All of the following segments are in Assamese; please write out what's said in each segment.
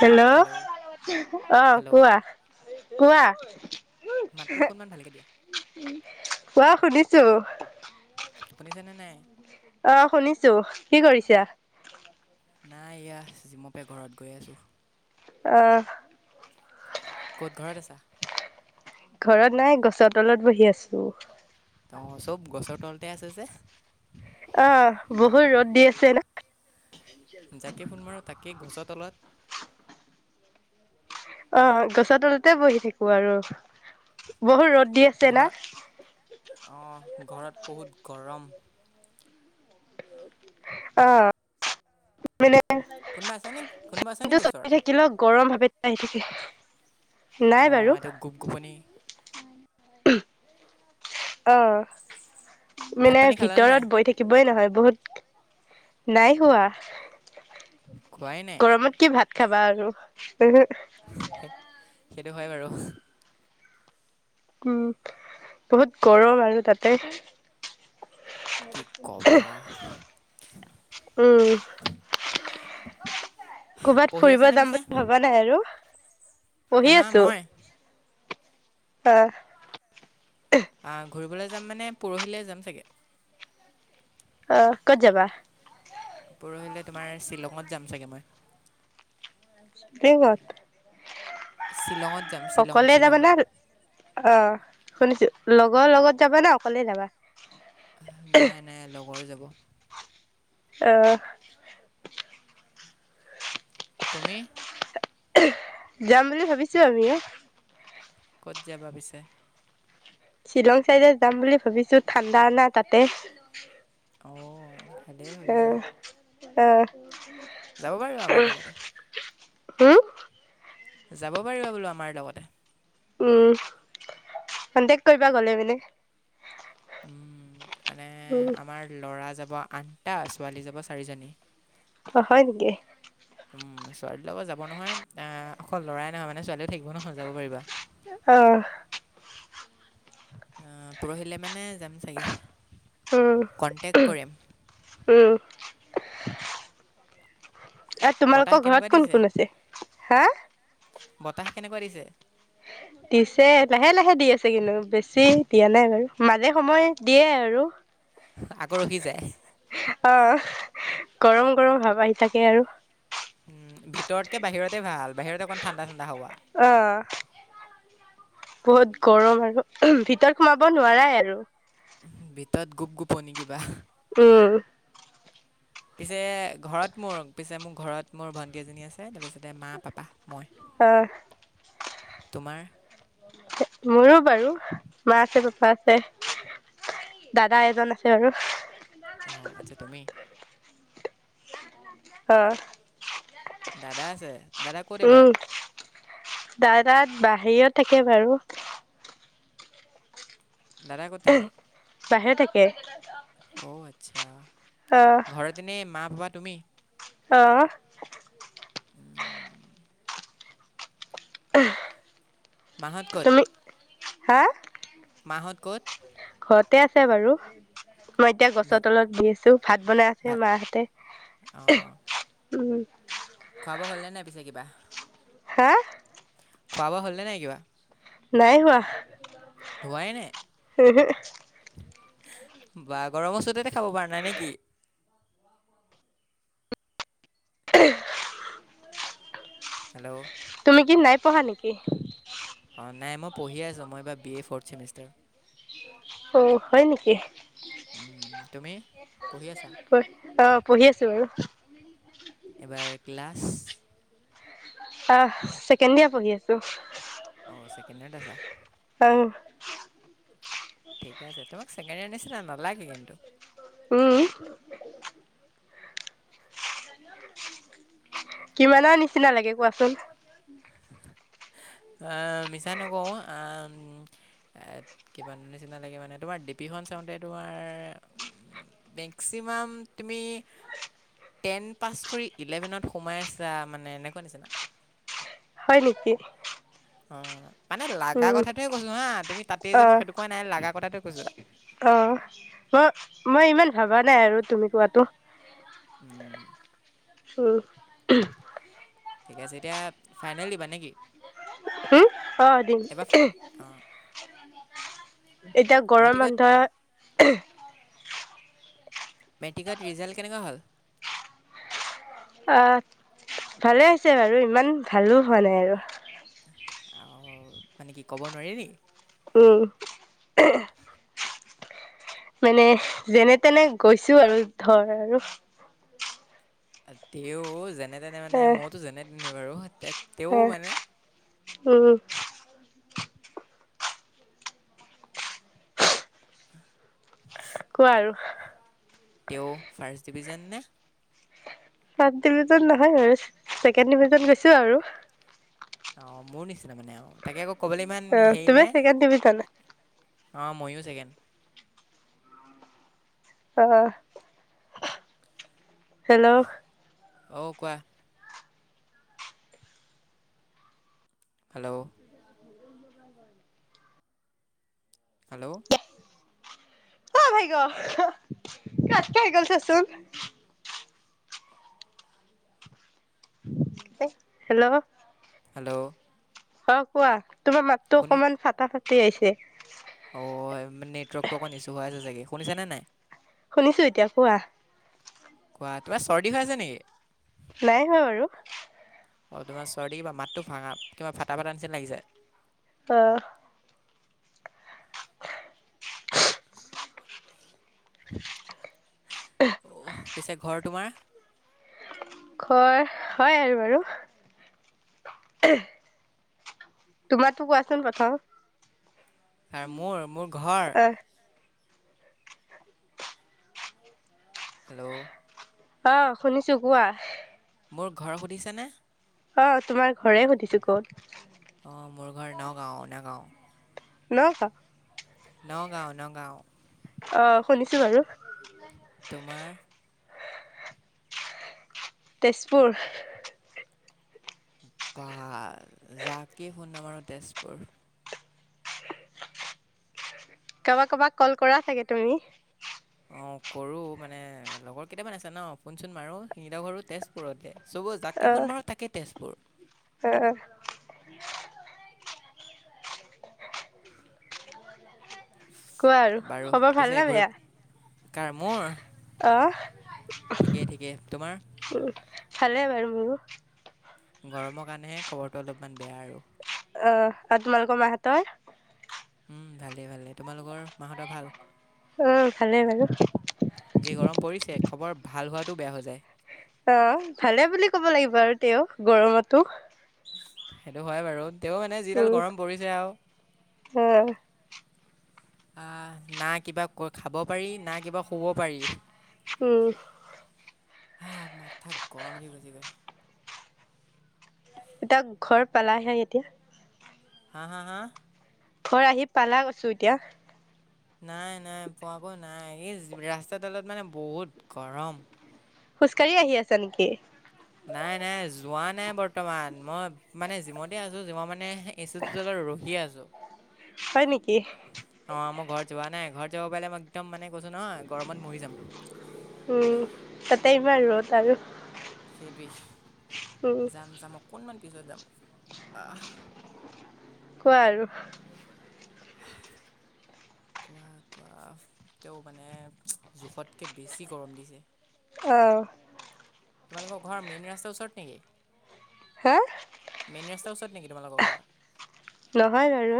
হেল্ল' অ', হেল্ল' কোৱা, কোৱা মাতটো অকণমান ভালকে দিয়া কোৱা, শুনিছো। শুনিছেনে নাই? অ', শুনিছো কি কৰিছা? নাই ইয়া, জিম পা ঘৰত গৈ আছোঁ অ', ক'ত ঘৰত আছা? ঘৰত নাই, গছৰ তলত বহি আছো চব, গছৰ তলতে আছে যে অ', বহুত ৰ'দ দি আছে ন জাকে ফোন মাৰো, তাকেই গছৰ তলত অ', গছৰ তলতে বহি থাকো আৰু, বহুত ৰ'দ দি আছে না ঘৰত অ', ঘৰত বহুত গৰম অ', মানে কোনোবা আছে নেকি কোনোবা আছে নেকি থাকিব। ওচৰত থাক ল গৰম ভাৱে আহি থাকে। নাই বাৰু অ', এইটো গোপগোপনি অ', ভাত মানে পানী খালানে নাই ভিতৰত বৈ থাক কিবই নহয়, বহুত নাই হোৱা খোৱাই নাই। গৰমত কি ভাত খাবা আৰু। সেইটো হয় বাৰু। উম, বহুত গৰম আৰু তাতে। কি ক'বা। উম [inaudible] ক'বাত পঢ়ি ফুৰিব আছানে যাম পিছে বুলি ভাবা নাই? নাই আৰু হা পঢ়ি হা আছোঁ মই আহ। ঘূৰিবলৈ যাম মানে পৰহিলৈ যাম চাগে। অ', ক'ত যাবা? পৰহিলৈ তোমাৰ শ্বিলঙত যাম চাগে মই। শ্বিলঙত। শ্বিলঙত যাম শ্বিলং, শ্বিলং। অ', শুনিছোঁ লগৰ লগত যাবা নে অকলে যাবা? নাই, নাই লগৰ যাব। অ'। তুমি? যাম বুলি ভাবিছোঁ আমিও। ক'ত যাবা পিছে? শ্বিলং চাইডে যাম বুলি ভাবিছোঁ ঠাণ্ডা না তাতে। অ'। উম, উম। যাব পাৰিবা আমাৰ লগতে। হম যাব পাৰিবা বোলো আমাৰ লগতে। উম, কণ্টেক কৰিবা গ'লে মানে। মানে উম আমাৰ ল'ৰা যাব আঠটা ছোৱালী যাব চাৰিজনী। অ', হয় নেকি। উম, ছোৱালীলগৰ যাব নহয় আহ অকল লৰাই নহয় মানে ছোৱালীও থাকিব নহয় যাব পাৰিবা। অ'। পৰহিলে মানে যাম চাগে। উম, কণ্টেক্ট কৰিম উম। আৰু বতাহ তোমালোকৰ কেনেকুৱা ঘৰত কোন, দিছে কোন আছে হা। বতাহ কেনেকুৱা দিছে? দিছে লাহে, লাহে দি আছে কিন্তু বেছি দিয়া নাই বাৰু মাজে সময় দিয়ে আৰু। [inaudible] আকৌ ৰখি যায়। অ', গৰম, গৰম ভাব আহি থাকে আৰু। উম, ভিতৰতকে বাহিৰতে ভাল বাহিৰত অকণ ঠাণ্ডা, ঠাণ্ডা হাৱা। অ'। বহুত গৰম আৰু ভিতৰত সোমাব নোৱাৰাই আৰু। ভিতৰত গোপ গোপনি কিবা। উম। পিছে ঘৰত মোৰ পিছে মোৰ ঘৰত মোৰ ভন্টি এজনী আছে তাৰ পিছতে মা, পাপা, মই। অ'। তোমাৰ? মোৰো বাৰু মা আছে পাপা আছে। দাদা এজন আছে বাৰু। অ', আচ্ছা তুমি। অ'। দাদা আছে। দাদা ক'ত উ, এইবাৰ দাই তাত বাহিৰত থাকে বাৰু। দাদা ক'ত থাকে বাহিৰত থাকে। অ' আতছা, অ ঘৰত এনে মা ভাবা তুমি। অ'। [inaudible] মাহঁত ক'ত? তুমি হা? মাহঁত ক'ত? ঘৱতে আছে বাৰু। মই এতিয়া গছৰ ভাত তলত বি আছোঁ। ভাত বনাই আছে ভাত মাহঁতে। অঁ অঁ উ। খোৱা বোৱা হ'লনে নাই পিছে কিবা? হা? খোৱা বোৱা হ'লনে নাই কিবা? নাই হোৱা। ধোৱাই নাই উহো। বা গৰম চুততে খাব পৰা নাই নে কি? [inaudible] হেল্ল'। তুমি কি নাই পঢ়া নেকি? অ' নাই মই পঢ়িয়ে আছোঁ। মই এইবাৰ বি এ ফৰ্থ চেমিষ্টাৰ। অ' হয় নেকি? তুমি পঢ়ি আছা পঢ়, অ' পঢ়ি আছোঁ বাৰু। এবাৰ ক্লাছ। আহ, ছেকেণ্ডিয়ে পঢ়ি আছোঁ। অ' ছেকেণ ইয়েত আছাঁ। অ'। ঠিকে আছে। তোমাক ছেকেণ ইয়ে নিচিনা নালাগে কিন্তু। উ। কিমানৰ নিচিনা লাগে কোৱাচোন। আ মিছা নকৌ আ এত, কিবান নিচিনা লাগে মানে, তোমাৰ ডিপিখন চাওঁতে তোমাৰ মেক্সিমাম তুমি টেন পাছ কৰি ইলেভেনত সোমাই আছাঁ মানে এনেকুৱা নিচিনা। হয় নেকি? অ' মানে লাগা উম কথাটোৱে কৈছোঁ হা। তুমি তাতেই অ যে মই সেটো কোৱা নাই, লাগা কথাটো কৈছোঁ। অ' ম, মই ইমান ভাবা নাই আৰু তুমি কোৱাটো। উ। উ। ঠিকে আছে এতিয়া ফাইনেল দিবা নে কি? হ, অ' দিম। ফা- অঁ এতিয়া গৰম মেট্ৰিকত বন্ধ মেট্ৰিকত ৰিজাল্ট কেনেকুৱা হ'ল? অ' ভালে হৈছে বাৰু, ইমান ভালো হোৱা নাই আৰু। অ' মানে কি ক'ব নোৱাৰি নি? উ। মানে যেনে তেনে গৈছোঁ আৰু ধৰ আৰু। আ তেওঁ যেনে তেনে মানে, মওতো যেনে তেনে বাৰু তে তেওঁ আ, মানে উ। [inaudible] কোৱা আৰু। তেওঁ ফাৰ্ষ্ট ডিভিজন নে? ফাৰ্ষ্ট ডিভিজন নহয় ব ছেকেণ্ড ডিভিজন গৈছোঁ আৰু। অ', মোৰ নিচিনা মানে। অ', তাকে আকৌ ক'বলৈ ইমান অ হেৰি তুমি নে। ছেকেণ্ড ডিভিজন অ', ময়ো ছেকেণ্ড। অ', হেল্ল' অ', কোৱা। হেল্ল' [unintelligible] হেল্ল' [inaudible] কাত খাই গ'ল ছাচোন। হেল্ল'। হেল্ল' অ, কোৱা। তোমাৰ মাততো অকমান ফটা ফাটি আহিছে। অ, নেটৱৰ্কতটো অকমান ইছ্যু হৈ আছে চাগে শুনিছে নে নাই? শুনিছোঁ এতিয়া কোৱা। কোৱা তিবা চৰ্দি হৈ আছে নেকি? নাই হোৱা বাৰু। অ, তোমাৰ চৰ্দি কিবা মাতটো ভাঙা কিবা ফটা ফাটা নিচিনা লাগিছে। অ, অ, পিছে ঘৰ তোমাৰ? ঘৰ হয় আৰু বাৰু। তোমাৰটো কোৱাচোন প্ৰথম। [inaudible] মোৰ মোৰ ঘৰ, আহ হেল্ল' অ, শুনিছো কোৱা। মোৰ ঘৰ সুধিছেনেে? অ, তোমাৰ ঘৰে সুধিছোঁ ক'ত। অ, মোৰ ঘৰ নগাঁও নগাঁও। [inaudible] নগাঁও নগাঁও। অ, শুনিছোঁ বাৰু। তোমাৰ? তেজপুৰ। বা যাকেই জাকে ফোন নামৰো তেজপুৰ। কাৰোবাক কাৰবাক কল কৰা চাগে তুমি? অ, কৰো মানে লগৰ কেইটামান আছে ন শুনচোন মাৰো শিঙিলা ঘৰো তেজপুৰতে। চব অ যাকে ফোোনমাৰক তাকে তেজপুৰ। অ, কোৱা আৰু বাৰু খবৰ ভাল পিছে নে ঘূৰি, বেয়া? কাৰ মোৰ? অ', ঠিকেই ঠিকে, তোমাৰ? উ, ভালে বাৰু মোৰো। গৰমৰ কাৰণেহে খবৰটো অলপমান বেয়া আৰু। অ, তোমালোকৰ মা হতৰ? উম, ভালেই ভালেই। তোমালোকৰ মাহঁতৰ ভাল? অ, ভালে বাৰু। যি গৰম পৰিছে? খবৰ ভাল হোৱাটো বেয়া হৈ যায়। অ, ভালে বুলি ক'ব লাগিব আৰু তেওঁ গৰমতো। সেইটো হয় বাৰু তেওঁ মানে যিডাল উম, গৰম পৰিছে আৰু। অ', না কিবা খাব পাৰি না কিবা শুব পাৰি। উম। হা, মাথা গৰম উঠ গৈছে গৈ। এতিয়া ঘৰ পালাহে এতিয়া। হা, হা, হা? ঘৰ আহি পালা কৈছো এতিয়া। নাই নাই পোৱাকৈ নাই, এই ৰাস্তাডালত মানে বহুত গৰম। খোজ কাঢ়ি আহি আছা নেকি? নাই নাই যোৱা নাই বৰ্তমান, মই মানে জিমতে আছোঁ, জিমত মানে হেই এচি টোৰ তলত ৰহিয়ে আছোঁ। হয় নেকি? অ' মোৰ ঘৰত যোৱা নাই, ঘৰত যাব পাৰে মই একদম মানে কৈছোঁ নহয় গৰমত মৰি যাম। উম, তাতে ইমান ৰ'দ আৰু। উম, সেইটোৱেই। যাম যাম অকণমান পিছত যাম। আহ কোৱা আৰু? [inaudible] কোৱা কোৱা, তেওঁ মানে জোখতকে বেছি গৰম দিছে। অ'। তোমালোকৰ ঘৰ মেইন ৰাস্তাৰ ওচৰত নেকি? হে? মেইন ৰাস্তাৰ ওচৰত নেকি তোমালোকৰ ঘৰ? নহয় বাৰু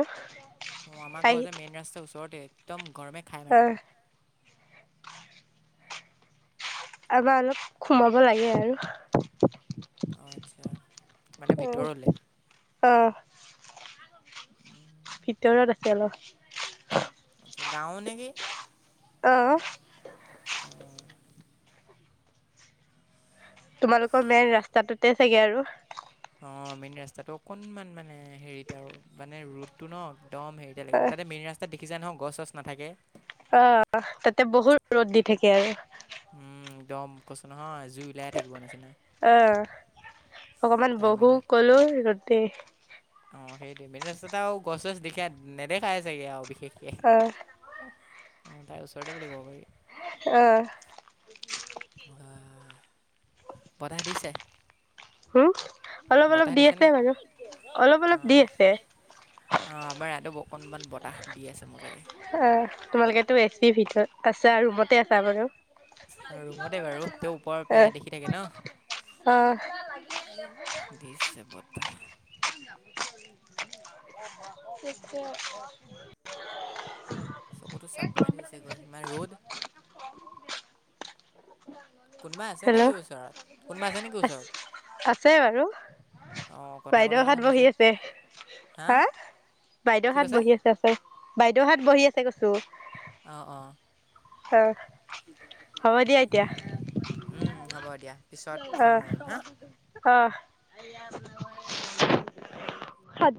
অ' আমাৰ আহি ঘৰ যে মেইন ৰাস্তাৰ ওচৰতে, একদম গৰমে খাই মাৰে। অ', আমাৰ অলপ সোমাব লাগে আৰু। অ' আচ্ছা, মানে অ', ভিতৰলে? অ', ভিতৰত আছে অলপ। আচ্ছা, গাওঁ নেকি? অ'। তোমালোকৰ মেইন ৰাস্তাটোতে চাগে আৰু। অ' মেইন ৰাস্তাটো অকনমান মানে হেৰিত আৰু মানে ৰুদটো ন' একদম হেৰি তেতিয়ালৈকে, অ', তাতে মেইন ৰাস্তাত দেখিছা নহয় গছ চছ নাথাকে। অ' তাতে বহুত ৰ'দ দি থাকে আৰু। উম, একদম কৈছোঁ নহয়। জুই ওলাই থাকিব নিচিনা আ, অকমান মেইন বহু ক'লো ৰ'দে। অ' সেইটোৱে। মেইন ৰাস্তাতে আৰু গছ ছজ দেখীয়া নেদেখাই চাগে আৰু বিশেষকে। অ', অ' তাৰ ওচৰতে বুলি ক'ব পাৰি। অ'। আ, বতাহ দিছে। হু, অলপ অলপ বতাহ দি আছে দিছেনে বাৰু, অলপ অ অলপ দি আছে। অ' আমাৰ ইয়াতো অকনমান বতাহ দি আছে মজাকে। অ' তোমালোকেতো এচি ভিতৰত আছা, ৰুমতে আছা বাৰু। ৰুমতে বাৰু। তেওঁ ওপৰৰ প্ৰায় অ', দেখি থাকে ন'। অ', দিছে বতাহ। তাকে চকুটো চাপ মাৰি ধৰিছেগৈ, সিমান ৰ'দ। কোনোবা আছে হেল্ল' নেকি ওচৰত কোনোবা আছে নেকি আ, ওচৰত আছে বাৰু। অঁ কথা কথা বাইদেউহত বহি শুনিছোঁ আছে। হা, কি বাইদেউহত কৈছা বহি আছে, আছে বাইদেউহত বহি আছে কৈছোঁ। অ', অ'। অ' হ'ব দিয়া এতিয়া। উম, হ'ব দিয়া। পিছত ফোন মাৰিম হা অ', অ'। সাত